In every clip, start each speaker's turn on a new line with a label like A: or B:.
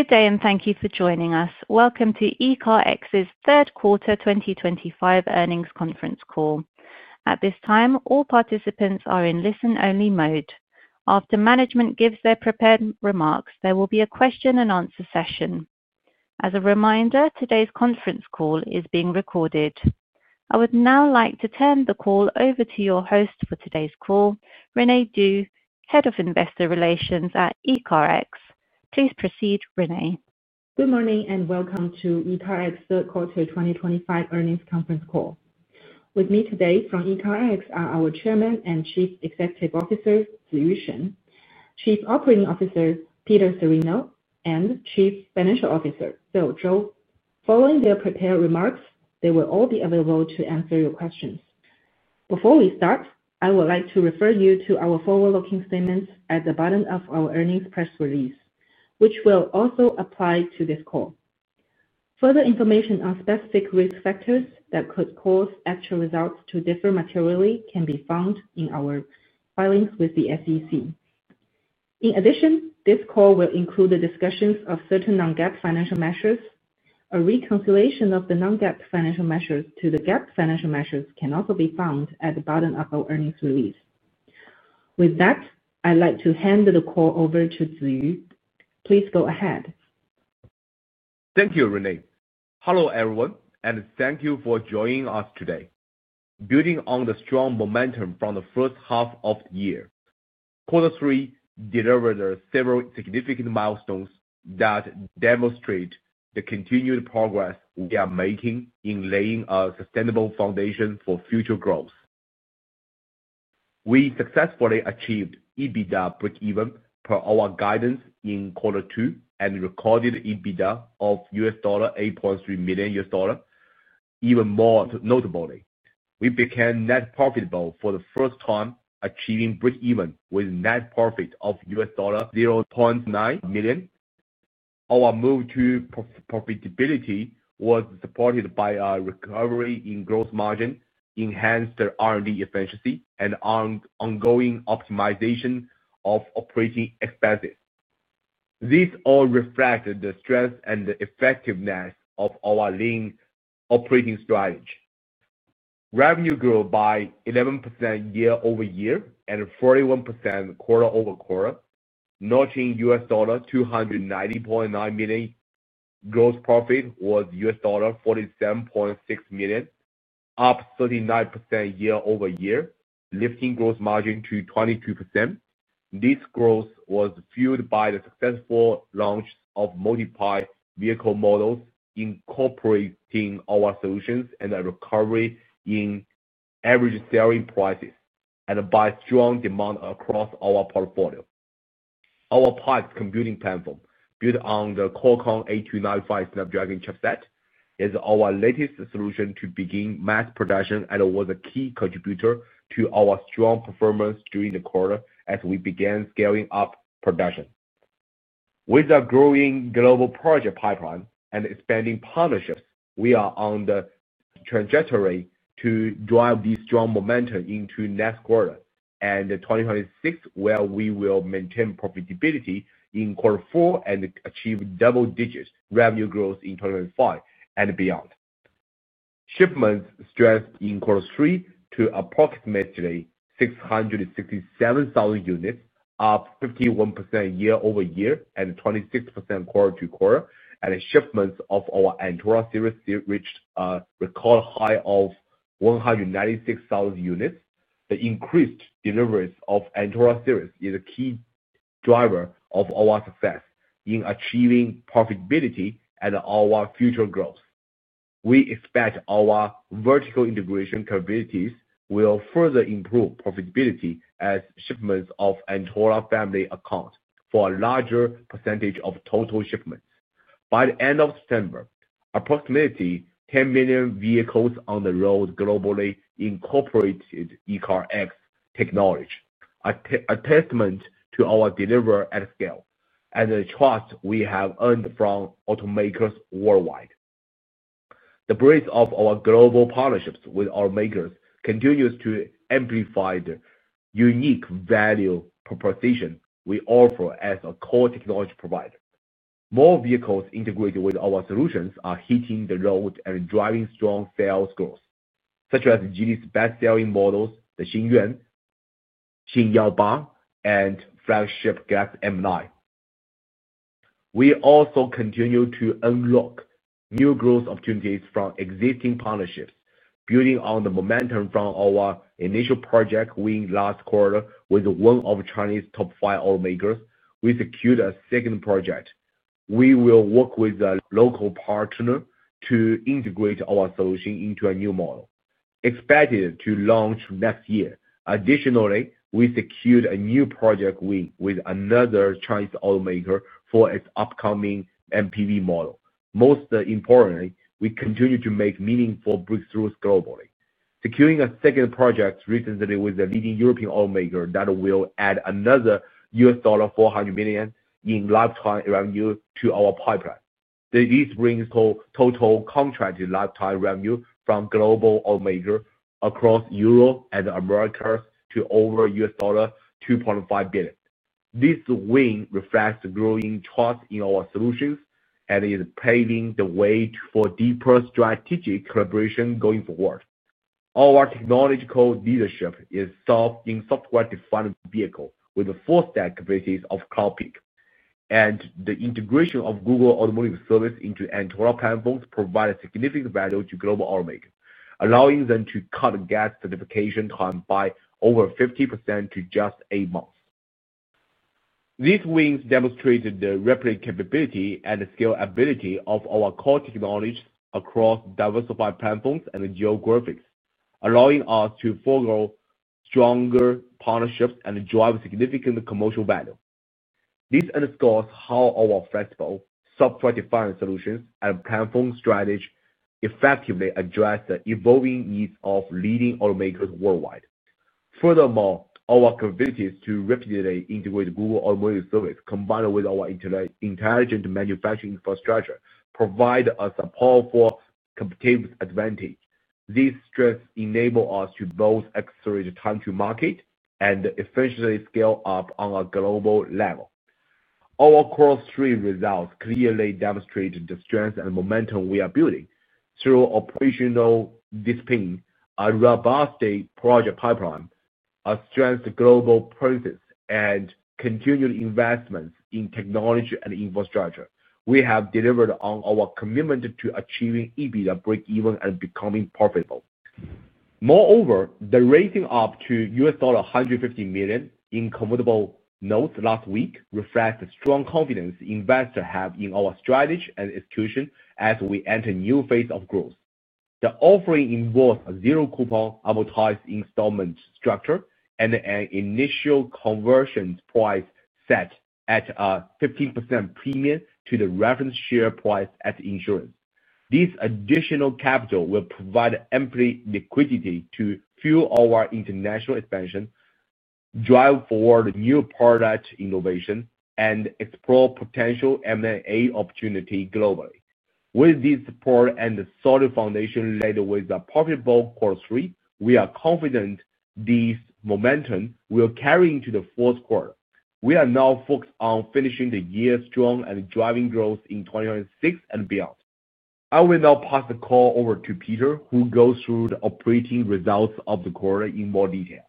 A: Good day, and thank you for joining us. Welcome to ECARX's third quarter 2025 earnings conference call. At this time, all participants are in listen-only mode. After management gives their prepared remarks, there will be a question-and-answer session. As a reminder, today's conference call is being recorded. I would now like to turn the call over to your host for today's call, Rene Du, Head of Investor Relations at ECARX. Please proceed, Rene.
B: Good morning and welcome to ECARX third quarter 2025 earnings conference call. With me today from ECARX are our Chairman and Chief Executive Officer, Ziyu Shen, Chief Operating Officer, Peter Cirino, and Chief Financial Officer, Phil Zhou. Following their prepared remarks, they will all be available to answer your questions. Before we start, I would like to refer you to our forward-looking statements at the bottom of our earnings press release, which will also apply to this call. Further information on specific risk factors that could cause actual results to differ materially can be found in our filings with the SEC. In addition, this call will include the discussions of certain non-GAAP financial measures. A reconciliation of the non-GAAP financial measures to the GAAP financial measures can also be found at the bottom of our earnings release. With that, I'd like to hand the call over to Ziyu. Please go ahead.
C: Thank you, Rene. Hello everyone, and thank you for joining us today. Building on the strong momentum from the first half of the year, quarter three delivered several significant milestones that demonstrate the continued progress we are making in laying a sustainable foundation for future growth. We successfully achieved EBITDA break-even per our guidance in quarter two and recorded EBITDA of $8.3 million. Even more notably, we became net profitable for the first time, achieving break-even with net profit of $0.9 million. Our move to profitability was supported by a recovery in gross margin, enhanced R&D efficiency, and ongoing optimization of operating expenses. These all reflect the strength and effectiveness of our lean operating strategy. Revenue grew by 11% year-over-year and 41% quarter-over-quarter, notching $219.9 million. Gross profit was $47.6 million, up 39% year-over-year, lifting gross margin to 22%. This growth was fueled by the successful launch of multiple vehicle models incorporating our solutions and a recovery in average selling prices and by strong demand across our portfolio. Our Pikes computing platform, built on the Qualcomm 8295 Snapdragon chipset, is our latest solution to begin mass production, and it was a key contributor to our strong performance during the quarter as we began scaling up production. With our growing global project pipeline and expanding partnerships, we are on the trajectory to drive this strong momentum into next quarter and 2026, where we will maintain profitability in quarter four and achieve double-digit revenue growth in 2025 and beyond. Shipments strengthened in quarter three to approximately 667,000 units, up 51% year-over-year and 26% quarter-to-quarter, and shipments of our Antora series reached a record high of 196,000 units. The increased deliverance of Antora series is a key driver of our success in achieving profitability and our future growth. We expect our vertical integration capabilities will further improve profitability as shipments of Antora family account for a larger percentage of total shipments. By the end of September, approximately 10 million vehicles on the road globally incorporated ECARX technology, a testament to our delivery at scale and the trust we have earned from automakers worldwide. The breadth of our global partnerships with automakers continues to amplify the unique value proposition we offer as a core technology provider. More vehicles integrated with our solutions are hitting the road and driving strong sales growth, such as Geely's best-selling models, the Xingyuan, Xingyao 8, and flagship Galaxy M9. We also continue to unlock new growth opportunities from existing partnerships, building on the momentum from our initial project win last quarter with one of China's top five automakers. We secured a second project. We will work with a local partner to integrate our solution into a new model, expected to launch next year. Additionally, we secured a new project win with another Chinese automaker for its upcoming MPV model. Most importantly, we continue to make meaningful breakthroughs globally, securing a second project recently with a leading European automaker that will add another $400 million in lifetime revenue to our pipeline. This brings total contracted lifetime revenue from global automakers across Europe and the Americas to over $2.5 billion. This win reflects growing trust in our solutions and is paving the way for deeper strategic collaboration going forward. Our technological leadership is sought in software-defined vehicles with the full-stack capabilities of CloudPeak, and the integration of Google Automotive Service into Antora platforms provided significant value to global automakers, allowing them to cut GAS certification time by over 50% to just eight months. These wins demonstrate the rapid capability and scalability of our core technologies across diversified platforms and geographies, allowing us to forge stronger partnerships and drive significant commercial value. This underscores how our flexible, software-defined solutions and platform strategy effectively address the evolving needs of leading automakers worldwide. Furthermore, our capabilities to rapidly integrate Google Automotive Service combined with our intelligent manufacturing infrastructure provide us a powerful competitive advantage. These strengths enable us to both accelerate time to market and efficiently scale up on a global level. Our quarter three results clearly demonstrate the strength and momentum we are building through operational discipline, a robust project pipeline, a strengthened global presence, and continued investments in technology and infrastructure. We have delivered on our commitment to achieving EBITDA break-even and becoming profitable. Moreover, the raising up to $150 million in convertible notes last week reflects the strong confidence investors have in our strategy and execution as we enter a new phase of growth. The offering involves a zero-coupon amortized installment structure and an initial conversion price set at a 15% premium to the revenue share price at issuance. This additional capital will provide ample liquidity to fuel our international expansion, drive forward new product innovation, and explore potential M&A opportunities globally. With this support and solid foundation laid with a profitable quarter three, we are confident this momentum will carry into the fourth quarter. We are now focused on finishing the year strong and driving growth in 2026 and beyond. I will now pass the call over to Peter, who will go through the operating results of the quarter in more detail.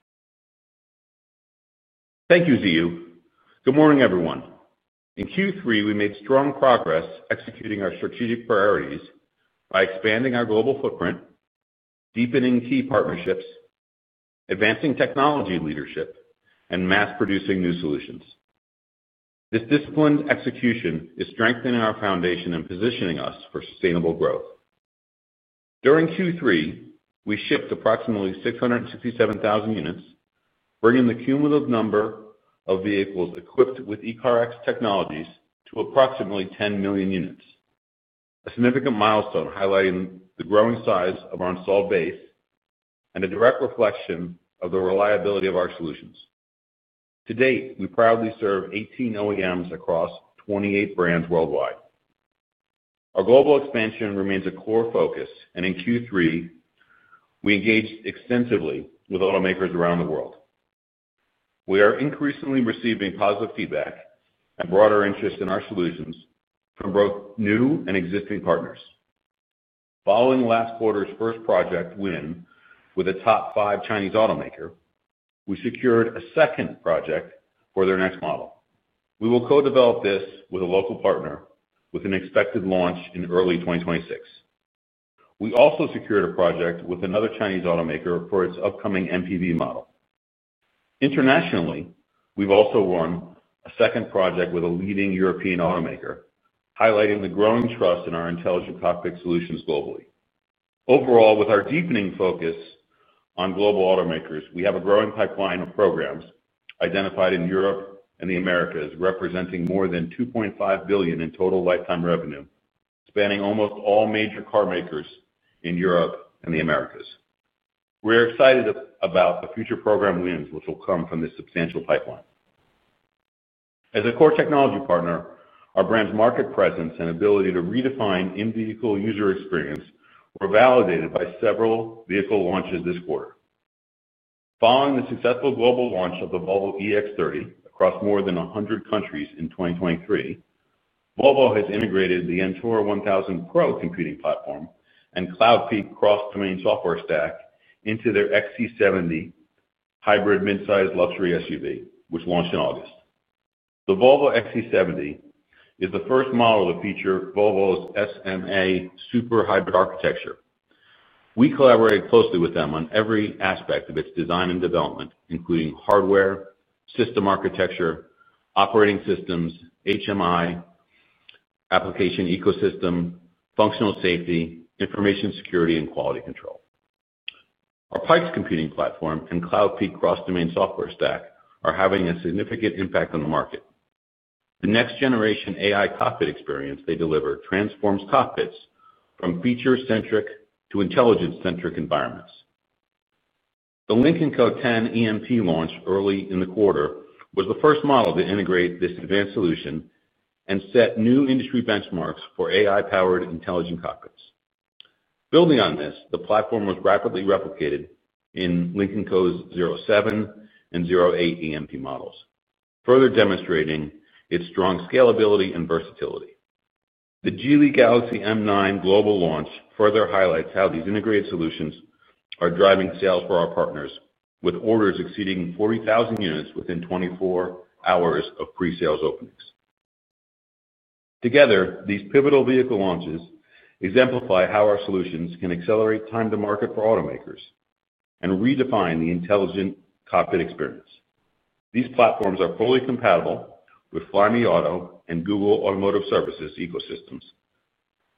D: Thank you, Ziyu. Good morning, everyone. In Q3, we made strong progress executing our strategic priorities by expanding our global footprint, deepening key partnerships, advancing technology leadership, and mass-producing new solutions. This disciplined execution is strengthening our foundation and positioning us for sustainable growth. During Q3, we shipped approximately 667,000 units, bringing the cumulative number of vehicles equipped with ECARX technologies to approximately 10 million units, a significant milestone highlighting the growing size of our installed base and a direct reflection of the reliability of our solutions. To date, we proudly serve 18 OEMs across 28 brands worldwide. Our global expansion remains a core focus, and in Q3, we engaged extensively with automakers around the world. We are increasingly receiving positive feedback and broader interest in our solutions from both new and existing partners. Following last quarter's first project win with a top five Chinese automaker, we secured a second project for their next model. We will co-develop this with a local partner, with an expected launch in early 2026. We also secured a project with another Chinese automaker for its upcoming MPV model. Internationally, we have also won a second project with a leading European automaker, highlighting the growing trust in our intelligent cockpit solutions globally. Overall, with our deepening focus on global automakers, we have a growing pipeline of programs identified in Europe and the Americas representing more than $2.5 billion in total lifetime revenue, spanning almost all major car makers in Europe and the Americas. We are excited about the future program wins, which will come from this substantial pipeline. As a core technology partner, our brand's market presence and ability to redefine in-vehicle user experience were validated by several vehicle launches this quarter. Following the successful global launch of the Volvo EX30 across more than 100 countries in 2023, Volvo has integrated the Antora 1000 Pro computing platform and CloudPeak cross-domain software stack into their XC70 hybrid midsize luxury SUV, which launched in August. The Volvo XC70 is the first model to feature Volvo's SMA super hybrid architecture. We collaborated closely with them on every aspect of its design and development, including hardware, system architecture, operating systems, HMI, application ecosystem, functional safety, information security, and quality control. Our Pikes computing platform and CloudPeak cross-domain software stack are having a significant impact on the market. The next-generation AI cockpit experience they deliver transforms cockpits from feature-centric to intelligence-centric environments. The Lynk & Co 10 EM-P launched early in the quarter was the first model to integrate this advanced solution and set new industry benchmarks for AI-powered intelligent cockpits. Building on this, the platform was rapidly replicated in Lynk & Co's 07 and 08 EM-P models, further demonstrating its strong scalability and versatility. The Geely Galaxy M9 global launch further highlights how these integrated solutions are driving sales for our partners, with orders exceeding 40,000 units within 24 hours of pre-sales openings. Together, these pivotal vehicle launches exemplify how our solutions can accelerate time to market for automakers and redefine the intelligent cockpit experience. These platforms are fully compatible with Flyme Auto and Google Automotive Services ecosystems,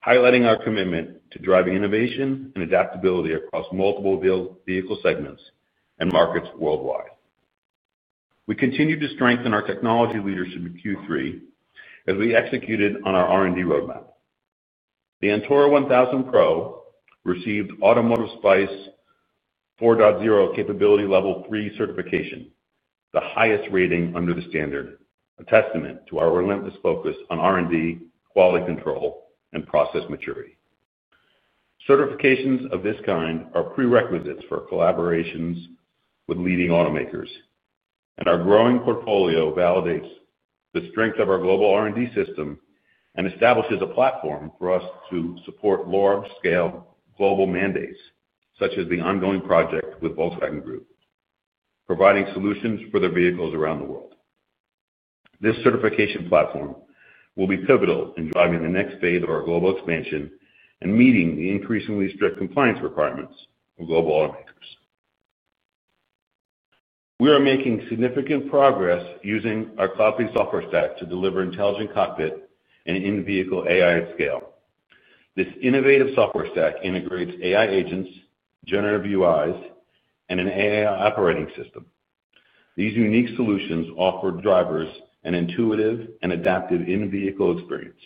D: highlighting our commitment to driving innovation and adaptability across multiple vehicle segments and markets worldwide. We continue to strengthen our technology leadership in Q3 as we executed on our R&D roadmap. The Antora 1000 Pro received Automotive SPICE 4.0 Capability Level 3 certification, the highest rating under the standard, a testament to our relentless focus on R&D, quality control, and process maturity. Certifications of this kind are prerequisites for collaborations with leading automakers, and our growing portfolio validates the strength of our global R&D system and establishes a platform for us to support large-scale global mandates, such as the ongoing project with Volkswagen Group, providing solutions for their vehicles around the world. This certification platform will be pivotal in driving the next phase of our global expansion and meeting the increasingly strict compliance requirements of global automakers. We are making significant progress using our CloudPeak software stack to deliver intelligent cockpit and in-vehicle AI at scale. This innovative software stack integrates AI agents, generative UIs, and an AI operating system. These unique solutions offer drivers an intuitive and adaptive in-vehicle experience.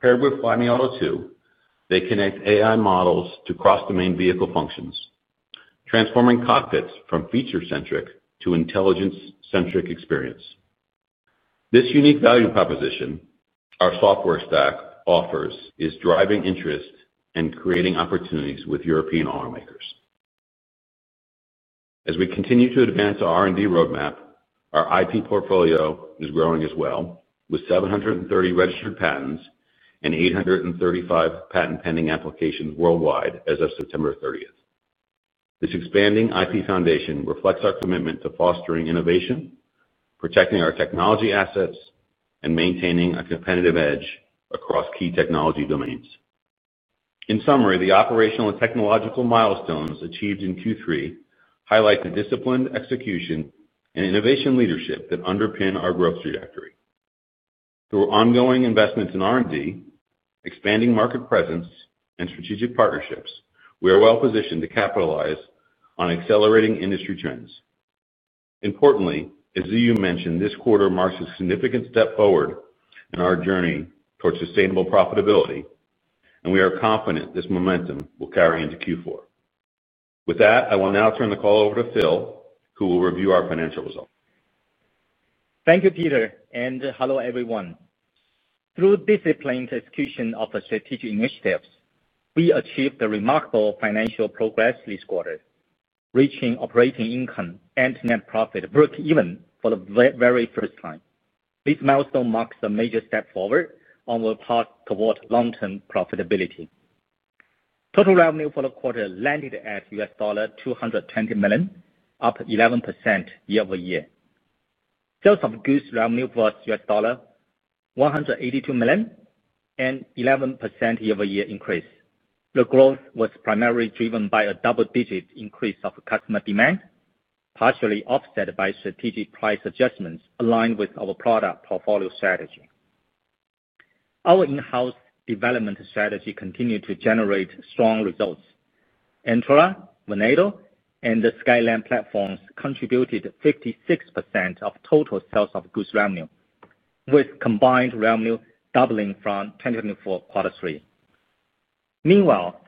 D: Paired with Flyme Auto 2, they connect AI models to cross-domain vehicle functions, transforming cockpits from feature-centric to intelligence-centric experience. This unique value proposition our software stack offers is driving interest and creating opportunities with European automakers. As we continue to advance our R&D roadmap, our IP portfolio is growing as well, with 730 registered patents and 835 patent-pending applications worldwide as of September 30th. This expanding IP foundation reflects our commitment to fostering innovation, protecting our technology assets, and maintaining a competitive edge across key technology domains. In summary, the operational and technological milestones achieved in Q3 highlight the disciplined execution and innovation leadership that underpin our growth trajectory. Through ongoing investments in R&D, expanding market presence, and strategic partnerships, we are well positioned to capitalize on accelerating industry trends. Importantly, as Ziyu mentioned, this quarter marks a significant step forward in our journey towards sustainable profitability, and we are confident this momentum will carry into Q4. With that, I will now turn the call over to Phil, who will review our financial results.
E: Thank you, Peter, and hello, everyone. Through disciplined execution of the strategic initiatives, we achieved remarkable financial progress this quarter, reaching operating income and net profit break-even for the very first time. This milestone marks a major step forward on the path toward long-term profitability. Total revenue for the quarter landed at $220 million, up 11% year-over-year. Sales of goods revenue was $182 million, an 11% year-over-year increase. The growth was primarily driven by a double-digit increase of customer demand, partially offset by strategic price adjustments aligned with our product portfolio strategy. Our in-house development strategy continued to generate strong results. Antora, Venado and the Skyland platforms contributed 56% of total sales of goods revenue, with combined revenue doubling from 2024 Q3. Meanwhile,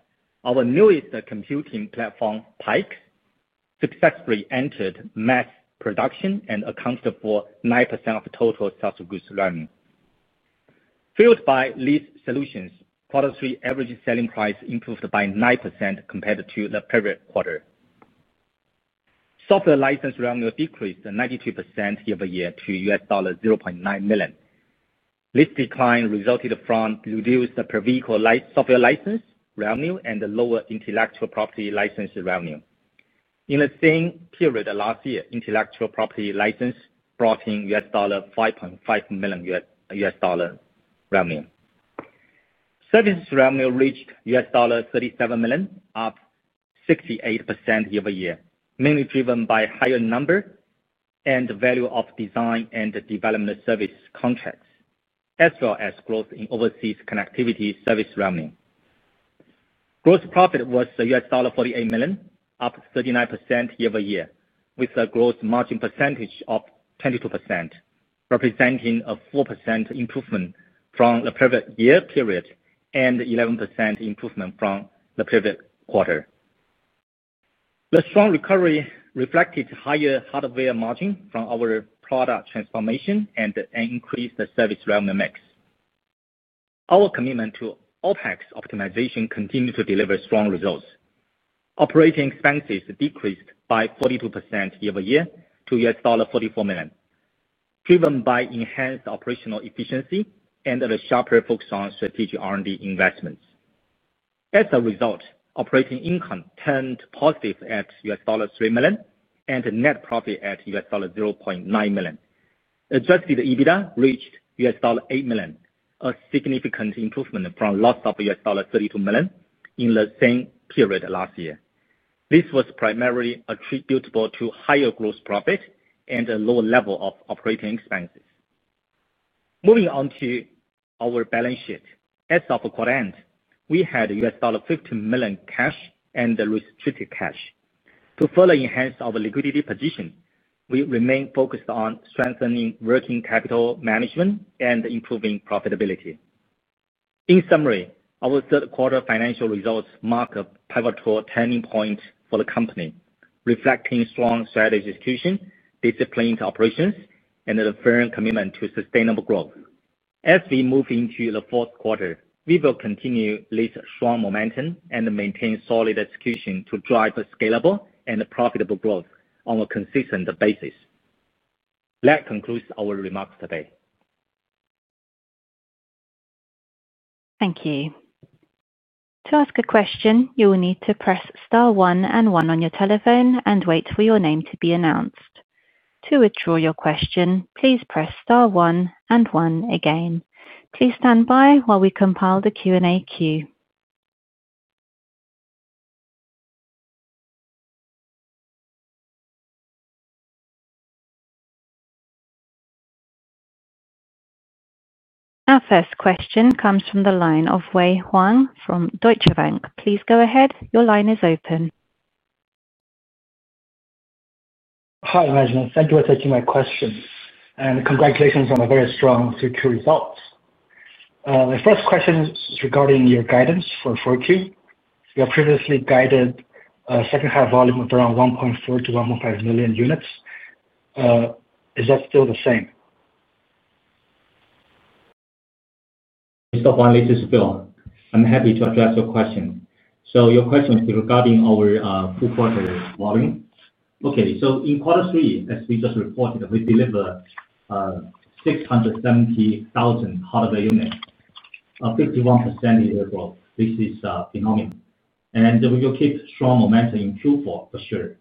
E: our newest computing platform, Pikes, successfully entered mass production and accounted for 9% of total sales of goods revenue. Fueled by these solutions, Q3 average selling price improved by 9% compared to the previous quarter. Software license revenue decreased 92% year-over-year to $0.9 million. This decline resulted from reduced per-vehicle software license revenue and lower intellectual property license revenue. In the same period last year, intellectual property license brought in $5.5 million revenue. Service revenue reached $37 million, up 68% year-over-year, mainly driven by higher numbers and the value of design and development service contracts, as well as growth in overseas connectivity service revenue. Gross profit was $48 million, up 39% year-over-year, with a gross margin percentage of 22%, representing a 4% improvement from the previous year period and 11% improvement from the previous quarter. The strong recovery reflected higher hardware margin from our product transformation and increased service revenue mix. Our commitment to OpEx optimization continued to deliver strong results. Operating expenses decreased by 42% year-over-year to $44 million, driven by enhanced operational efficiency and a sharper focus on strategic R&D investments. As a result, operating income turned positive at $3 million and net profit at $0.9 million. Adjusted EBITDA reached $8 million, a significant improvement from loss of $32 million in the same period last year. This was primarily attributable to higher gross profit and a lower level of operating expenses. Moving on to our balance sheet, as of quarter end, we had $50 million cash and restricted cash. To further enhance our liquidity position, we remained focused on strengthening working capital management and improving profitability. In summary, our third-quarter financial results mark a pivotal turning point for the company, reflecting strong strategic execution, disciplined operations, and a firm commitment to sustainable growth. As we move into the fourth quarter, we will continue this strong momentum and maintain solid execution to drive scalable and profitable growth on a consistent basis. That concludes our remarks today.
A: Thank you. To ask a question, you will need to press star one and one on your telephone and wait for your name to be announced. To withdraw your question, please press star one and one again. Please stand by while we compile the Q&A queue. Our first question comes from the line of Wei Huang from Deutsche Bank. Please go ahead. Your line is open.
F: Hi. Thank you for taking my question, and congratulations on the very strong Q2 results. My first question is regarding your guidance for the 4Q. You have previously guided a second-half volume of around 1.4 million-1.5 million units. Is that still the same?
E: Let me, this is Phil. I'm happy to address your question. So your question is regarding our full quarter volume. Okay. In quarter three, as we just reported, we delivered 670,000 hardware units, 51% in year growth. This is phenomenal. We will keep strong momentum in Q4 for sure.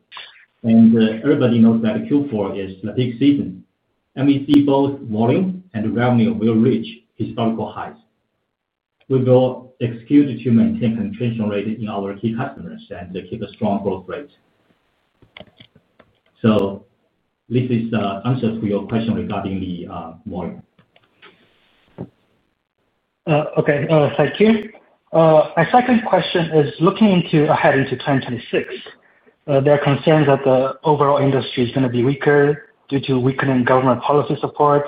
E: Everybody knows that Q4 is the peak season, and we see both volume and revenue will reach historical highs. We will execute to maintain contention rate in our key customers and keep a strong growth rate. This is the answer to your question regarding the volume.
F: Okay. Thank you. My second question is looking ahead into 2026. There are concerns that the overall industry is going to be weaker due to weakening government policy support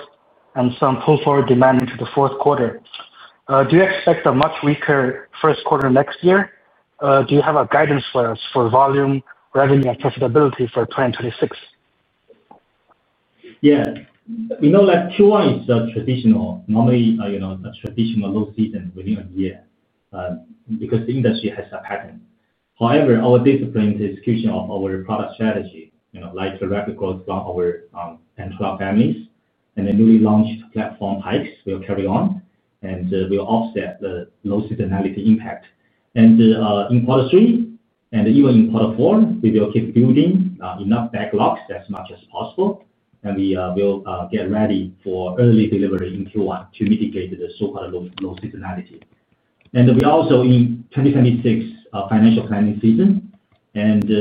F: and some pull forward demand into the fourth quarter. Do you expect a much weaker first quarter next year? Do you have guidance for us for volume, revenue, and profitability for 2026?
E: Yeah. Q1 is a traditional, normally a traditional low season within a year because the industry has a pattern. However, our disciplined execution of our product strategy, like the rapid growth from our Antora series and the newly launched platform Pikes, will carry on, and we will offset the low seasonality impact. In quarter three, and even in quarter four, we will keep building enough backlogs as much as possible, and we will get ready for early delivery in Q1 to mitigate the so-called low seasonality. We are also in 2026 financial planning season. According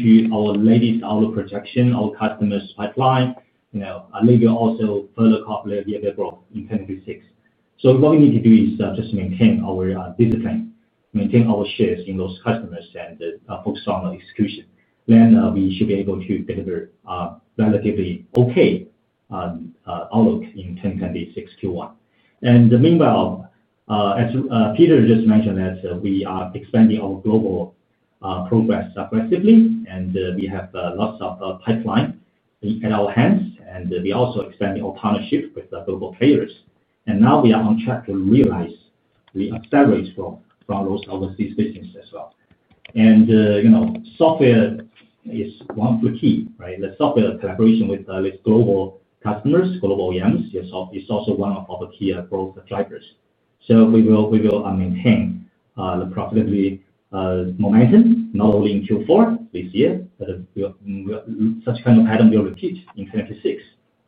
E: to our latest outlook projection, our customers' pipeline maybe also further couple a year-over-year growth in 2026. What we need to do is just maintain our discipline, maintain our shares in those customers, and focus on execution. We should be able to deliver a relatively okay outlook in 2026 Q1. Meanwhile, as Peter just mentioned, we are expanding our global progress aggressively, and we have lots of pipeline at our hands. We are also expanding our partnership with global players. We are on track to realize the accelerate growth from those overseas businesses as well. Software is one of the key, right? The software collaboration with global customers, global OEMs, is also one of our key growth drivers. We will maintain the profitability momentum not only in Q4 this year, but such kind of pattern will repeat in 2026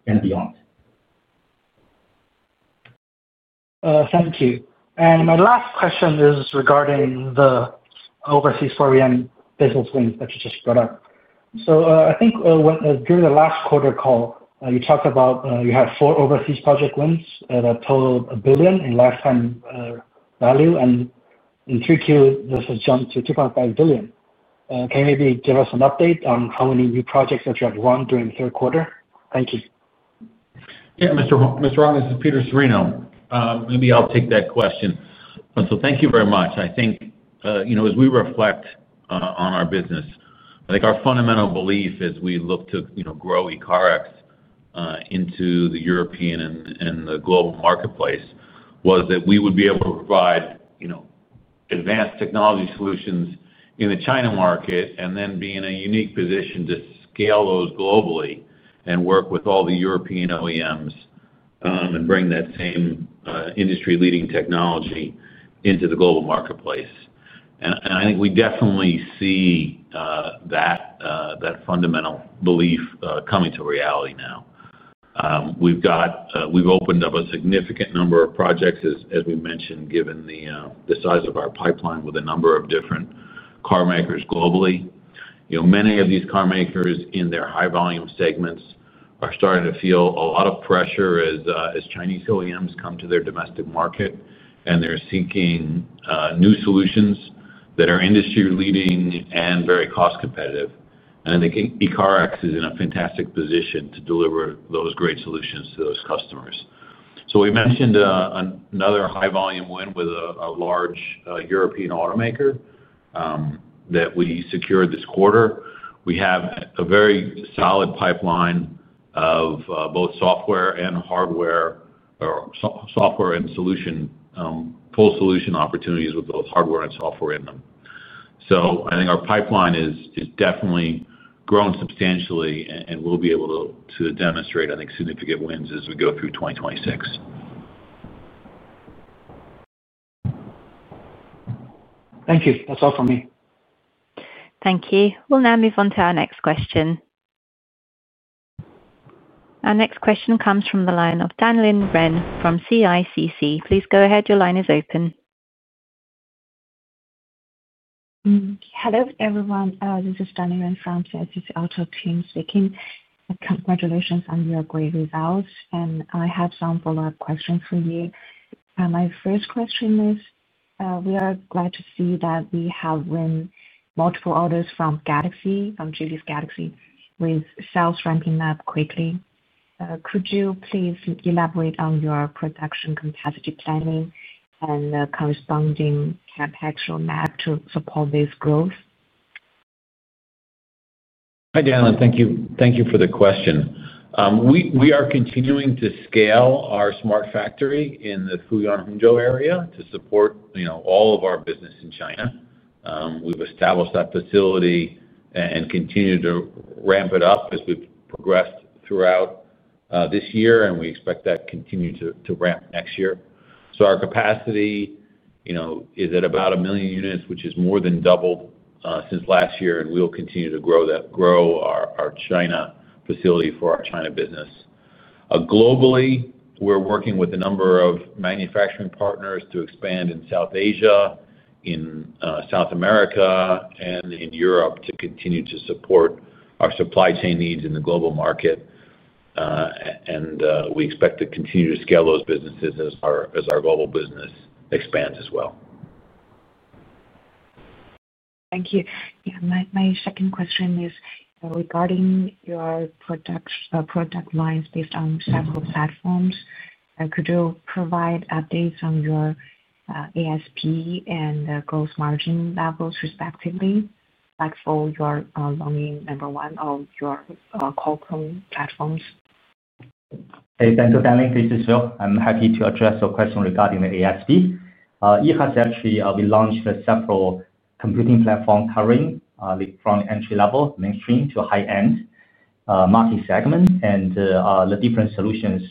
E: and beyond.
F: Thank you. My last question is regarding the overseas $4 million business wins that you just brought up. I think during the last quarter call, you talked about you had four overseas project wins at a total of $1 billion in lifetime value. In 3Q, this has jumped to $2.5 billion. Can you maybe give us an update on how many new projects that you have run during the third quarter? Thank you.
D: Yeah. Mr. Huang, this is Peter Cirino. Maybe I'll take that question. Thank you very much. I think as we reflect on our business, I think our fundamental belief as we look to grow ECARX into the European and the global marketplace was that we would be able to provide advanced technology solutions in the China market and then be in a unique position to scale those globally and work with all the European OEMs. Bring that same industry-leading technology into the global marketplace. I think we definitely see that fundamental belief coming to reality now. We've opened up a significant number of projects, as we mentioned, given the size of our pipeline with a number of different carmakers globally. Many of these carmakers in their high-volume segments are starting to feel a lot of pressure as Chinese OEMs come to their domestic market, and they're seeking new solutions that are industry-leading and very cost competitive. I think ECARX is in a fantastic position to deliver those great solutions to those customers. We mentioned another high-volume win with a large European automaker that we secured this quarter. We have a very solid pipeline of both software and hardware, software and solution, full solution opportunities with both hardware and software in them. I think our pipeline has definitely grown substantially and will be able to demonstrate, I think, significant wins as we go through 2026.
F: Thank you. That's all from me.
A: Thank you. We'll now move on to our next question. Our next question comes from the line of Dan Lin Ren from CICC. Please go ahead. Your line is open.
G: Hello, everyone. This is Dan Lin Ren from CICC Auto Team speaking. Congratulations on your great results. I have some follow-up questions for you. My first question is, we are glad to see that we have won multiple orders from Galaxy, from Geely Galaxy, with sales ramping up quickly. Could you please elaborate on your production capacity planning and the corresponding capital to support this growth?
D: Hi, Dan Lin. Thank you for the question. We are continuing to scale our smart factory in the Fuyang, Hangzhou area to support all of our business in China. We've established that facility and continue to ramp it up as we've progressed throughout this year, and we expect that to continue to ramp next year. Our capacity is at about 1 million units, which is more than doubled since last year, and we'll continue to grow our China facility for our China business. Globally, we're working with a number of manufacturing partners to expand in South Asia, in South America, and in Europe to continue to support our supply chain needs in the global market. We expect to continue to scale those businesses as our global business expands as well.
G: Thank you. Yeah. My second question is regarding your product lines based on several platforms. Could you provide updates on your ASP and gross margin levels, respectively, for your number one of your Qualcomm platforms?
E: Hey, thank you, Dan Lin. This is Phil. I'm happy to address your question regarding the ASP. ECARX actually, we launched several computing platform covering from entry-level, mainstream to high-end. Market segment, and the different solutions.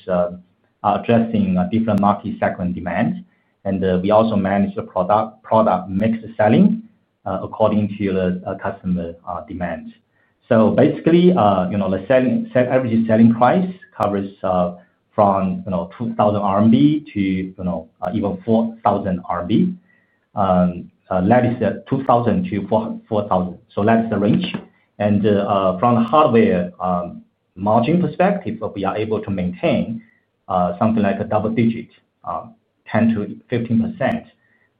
E: Addressing different market segment demands. We also manage the product mix selling according to the customer demands. Basically, the average selling price covers from 2,000 RMB to even 4,000 RMB. That is 2,000-4,000. That's the range. From the hardware margin perspective, we are able to maintain something like a double digit, 10%-15%.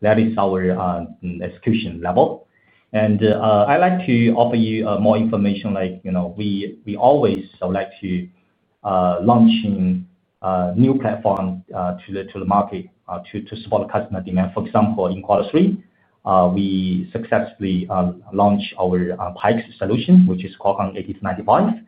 E: That is our execution level. I'd like to offer you more information. We always like to launch new platforms to the market to support customer demand. For example, in quarter three, we successfully launched our Pikes solution, which is Qualcomm 8295.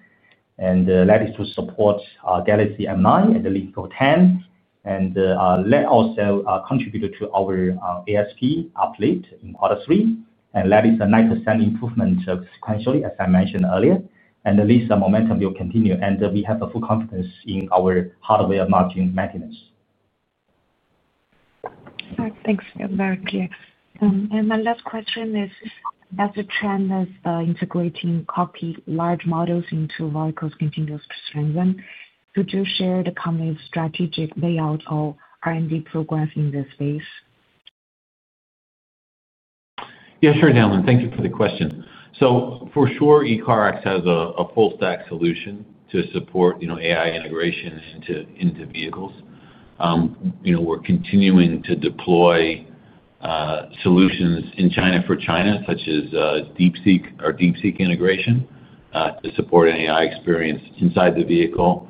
E: That is to support Galaxy M9 and the Lynk & Co 10. That also contributed to our ASP update in quarter three. That is a 9% improvement sequentially, as I mentioned earlier. At least the momentum will continue. We have full confidence in our hardware margin maintenance.
G: Thanks.. My last question is, as a trend of integrating large models into various continuous trends, could you share the company's strategic layout or R&D programs in this space?
D: Yeah, sure, Dan Lin. Thank you for the question. For sure, ECARX has a full-stack solution to support AI integration into vehicles. We're continuing to deploy solutions in China for China, such as DeepSeek or DeepSeek integration, to support an AI experience inside the vehicle.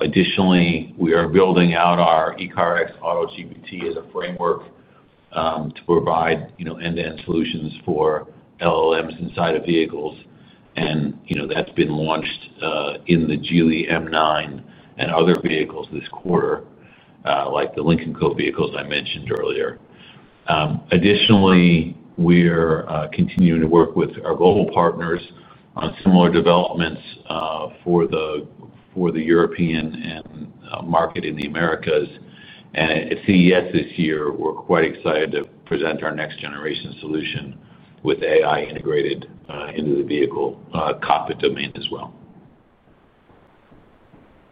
D: Additionally, we are building out our ECARX Auto GPT as a framework to provide end-to-end solutions for LLMs inside of vehicles. That's been launched in the Geely M9 and other vehicles this quarter, like the Lynk & Co vehicles I mentioned earlier. Additionally, we're continuing to work with our global partners on similar developments for the European market in the Americas. At CES this year, we're quite excited to present our next-generation solution with AI integrated into the vehicle cockpit domain as well.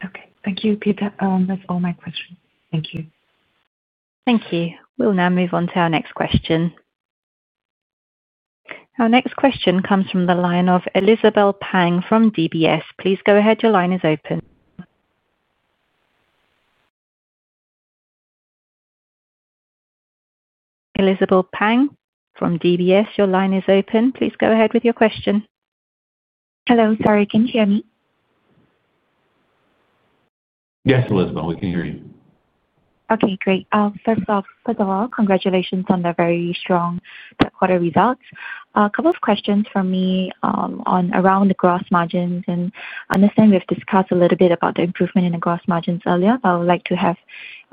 G: Okay. Thank you, Peter. That's all my questions. Thank you.
B: Thank you. We'll now move on to our next question. Our next question comes from the line of Elizabelle Pang from DBS. Please go ahead. Your line is open. Please go ahead with your question.
H: Hello, sorry. Can you hear me?
D: Yes, Elizabeth, we can hear you.
H: Okay, great. First of all, congratulations on the very strong third-quarter results. A couple of questions for me around the gross margins. I understand we've discussed a little bit about the improvement in the gross margins earlier, but I would like to have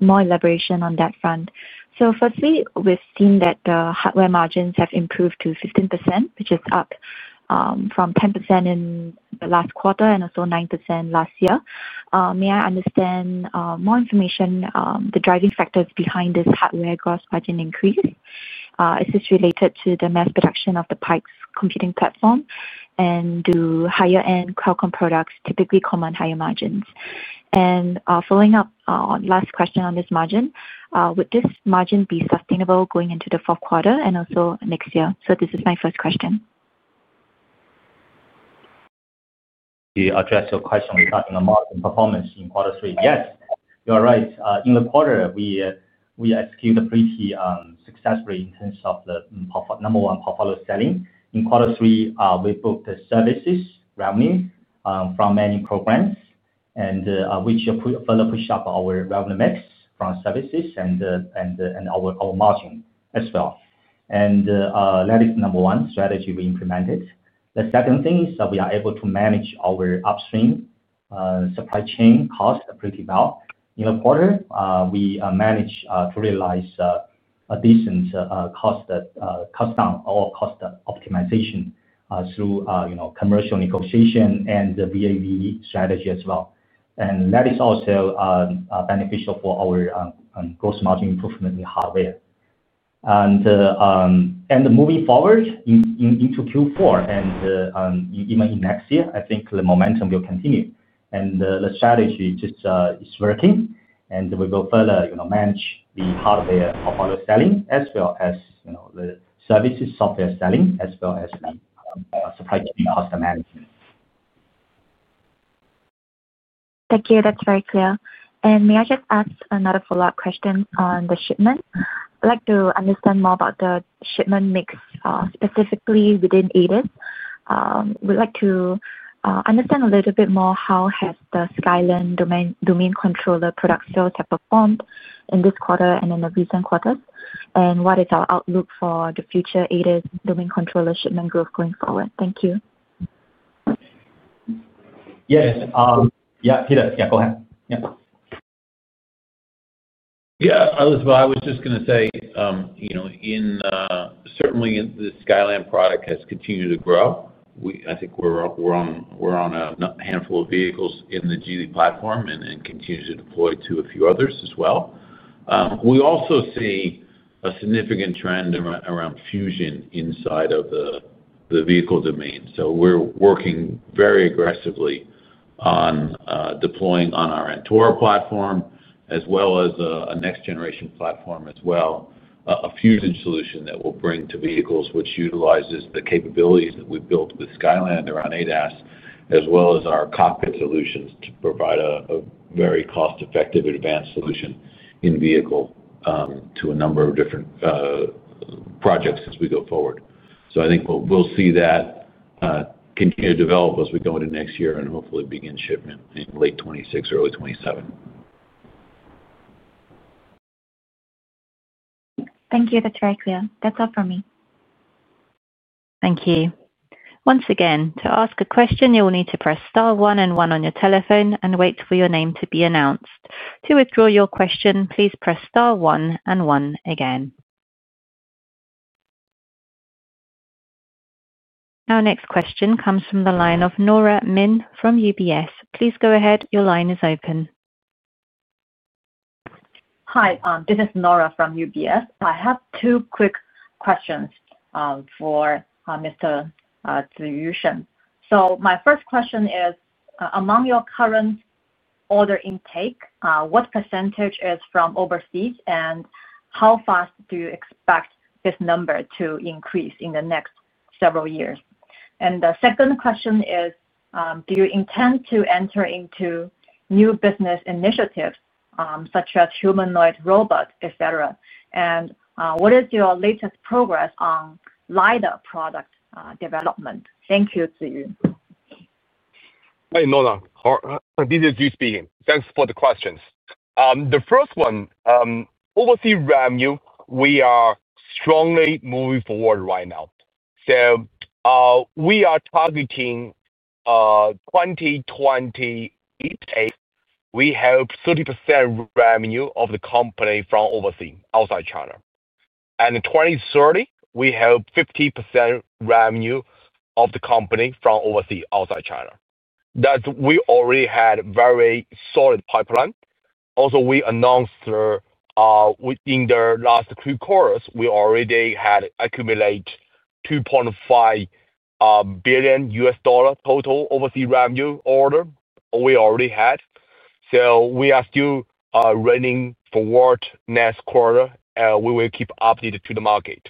H: more elaboration on that front. Firstly, we've seen that the hardware margins have improved to 15%, which is up from 10% in the last quarter and also 9% last year. May I understand more information on the driving factors behind this hardware gross margin increase? Is this related to the mass production of the Pikes computing platform and do higher-end Qualcomm products typically come on higher margins? Following up on the last question on this margin, would this margin be sustainable going into the fourth quarter and also next year? This is my first question.
E: To address your question regarding the margin performance in quarter three, yes, you're right. In the quarter, we executed pretty successfully in terms of the number one portfolio selling. In quarter three, we booked the services revenue from many programs, which further pushed up our revenue mix from services and our margin as well. That is the number one strategy we implemented. The second thing is that we are able to manage our upstream supply chain cost pretty well. In the quarter, we managed to realize a decent cost down or cost optimization through commercial negotiation and the VAV strategy as well. That is also beneficial for our gross margin improvement in hardware. Moving forward into Q4 and even in next year, I think the momentum will continue. The strategy just is working. We will further manage the hardware portfolio selling as well as the services software selling as well as the supply chain cost management.
H: Thank you. That's very clear. May I just ask another follow-up question on the shipment? I'd like to understand more about the shipment mix, specifically within ADAS. We'd like to understand a little bit more how the Skyland domain controller product sales have performed in this quarter and in the recent quarters, and what is our outlook for the future ADAS domain controller shipment growth going forward? Thank you.
E: Yes. Yeah, Peter. Go ahead. Yeah.
D: Yeah, Elizabelle, I was just going to say. Certainly, the Skyland product has continued to grow. I think we're on a handful of vehicles in the Geely platform and continue to deploy to a few others as well. We also see a significant trend around fusion inside of the vehicle domain. We are working very aggressively on deploying on our Antora platform as well as a next-generation platform as well, a fusion solution that we'll bring to vehicles which utilizes the capabilities that we've built with Skyland around ADAS, as well as our cockpit solutions to provide a very cost-effective advanced solution in vehicle to a number of different projects as we go forward. I think we'll see that continue to develop as we go into next year and hopefully begin shipment in late 2026, early 2027.
H: Thank you. That's very clear. That's all from me.
A: Thank you. Once again, to ask a question, you'll need to press star one and one on your telephone and wait for your name to be announced. To withdraw your question, please press star one and one again. Our next question comes from the line of Nora Min from UBS. Please go ahead. Your line is open.
I: Hi, this is Nora from UBS. I have two quick questions for Mr. Ziyu Shen. My first question is, among your current order intake, what percentage is from overseas, and how fast do you expect this number to increase in the next several years? The second question is, do you intend to enter into new business initiatives such as humanoid robots, etc.? What is your latest progress on LiDAR product development? Thank you, Ziyu.
C: Hey, Nora. This is Ziyu speaking. Thanks for the questions. The first one, overseas revenue, we are strongly moving forward right now. We are targeting 2028. We have 30% revenue of the company from overseas, outside China. In 2030, we have 50% revenue of the company from overseas, outside China. We already had a very solid pipeline. Also, we announced in the last three quarters, we already had accumulated $2.5 billion USD total overseas revenue order we already had. We are still running forward next quarter, and we will keep updated to the market.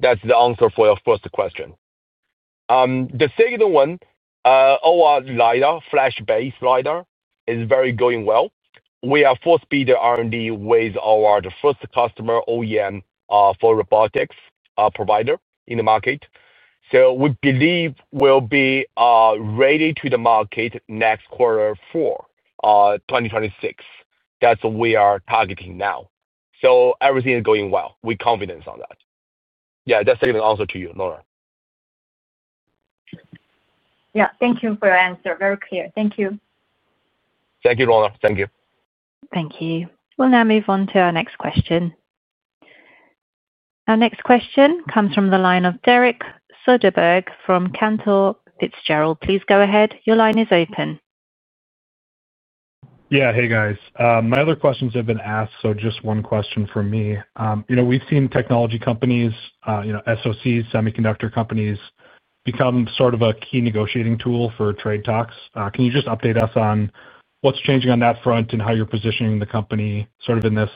C: That's the answer for your first question. The second one, our LiDAR, flash-based LiDAR, is very going well. We are full-speed R&D with our first customer, OEM for robotics provider in the market. We believe we'll be ready to the market next quarter four, 2026. That's what we are targeting now. Everything is going well. We're confident on that. Yeah, that's the answer to you, Nora.
I: Yeah, thank you for your answer. Very clear. Thank you.
C: Thank you, Nora. Thank you.
A: Thank you. We'll now move on to our next question. Our next question comes from the line of Derek Soderberg from Cantor Fitzgerald. Please go ahead. Your line is open.
J: Yeah, hey, guys. My other questions have been asked, so just one question for me. We've seen technology companies, SOCs, semiconductor companies become sort of a key negotiating tool for trade talks. Can you just update us on what's changing on that front and how you're positioning the company sort of in this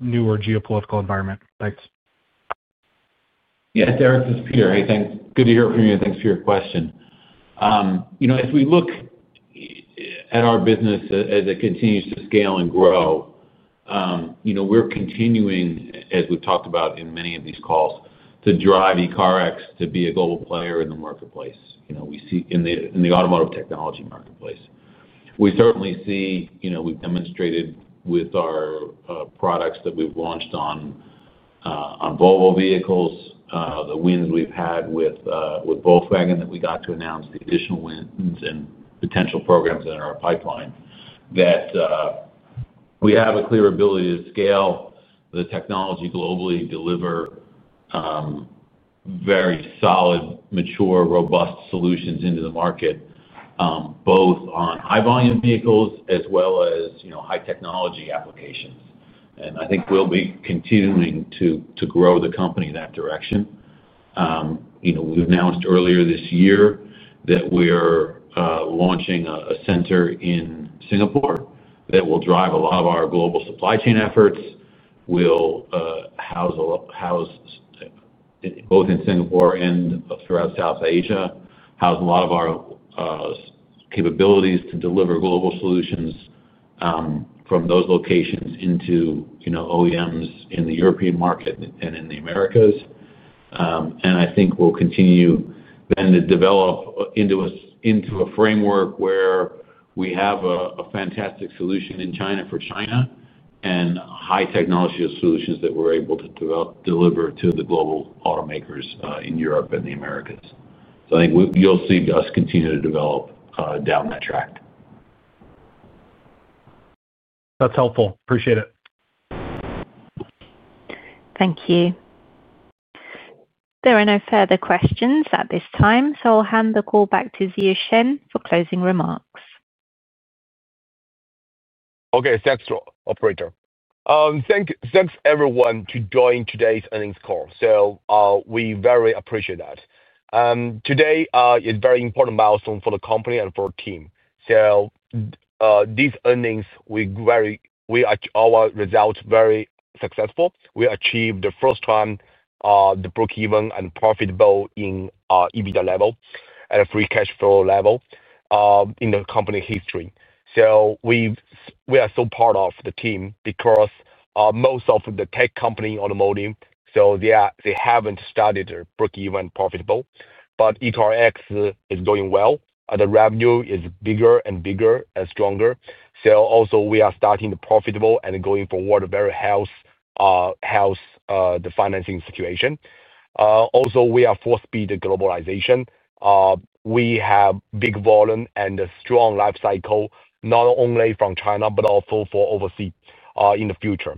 J: newer geopolitical environment? Thanks.
D: Yeah, Derek, this is Peter. Hey, thanks. Good to hear from you. Thanks for your question. If we look at our business as it continues to scale and grow, we're continuing, as we've talked about in many of these calls, to drive ECARX to be a global player in the marketplace, in the automotive technology marketplace. We certainly see we've demonstrated with our products that we've launched on Volvo vehicles, the wins we've had with Volkswagen that we got to announce, the additional wins and potential programs that are in our pipeline, that we have a clear ability to scale the technology globally, deliver very solid, mature, robust solutions into the market, both on high-volume vehicles as well as high-technology applications. I think we'll be continuing to grow the company in that direction. We announced earlier this year that we're launching a center in Singapore that will drive a lot of our global supply chain efforts. We'll house both in Singapore and throughout South Asia, house a lot of our capabilities to deliver global solutions from those locations into OEMs in the European market and in the Americas. I think we'll continue then to develop into a framework where we have a fantastic solution in China for China and high-technology solutions that we're able to deliver to the global automakers in Europe and the Americas. I think you'll see us continue to develop down that track.
J: That's helpful. Appreciate it.
A: Thank you. There are no further questions at this time, so I'll hand the call back to Ziyu Shen for closing remarks.
C: Okay, thanks, operator. Thanks, everyone, to join today's earnings call. We very appreciate that. Today is a very important milestone for the company and for our team. These earnings, we watch our results very successful. We achieved the first time the break-even and profitable in EBITDA level at a free cash flow level in the company history. We are so proud of the team because most of the tech company automotive, they haven't started break-even profitable. But ECARX is going well. The revenue is bigger and bigger and stronger. Also, we are starting profitable and going forward very health. The financing situation. Also, we are full-speed globalization. We have big volume and a strong life cycle, not only from China but also for overseas in the future.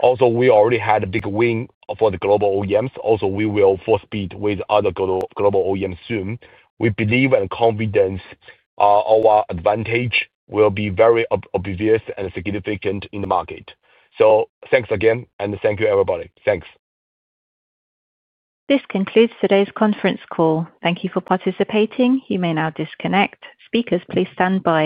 C: Also, we already had a big win for the global OEMs. Also, we will full-speed with other global OEMs soon. We believe and confident our advantage will be very obvious and significant in the market. Thanks again, and thank you, everybody. Thanks.
B: This concludes today's conference call. Thank you for participating. You may now disconnect. Speakers, please stand by.